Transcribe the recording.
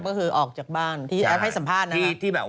นี่ออกจากบ้านที่แอฟให้สัมภาษณ์นะครับ